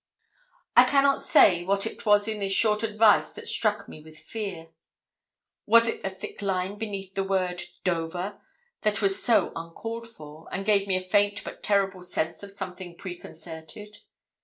I cannot say what it was in this short advice that struck me with fear. Was it the thick line beneath the word 'Dover,' that was so uncalled for, and gave me a faint but terrible sense of something preconcerted?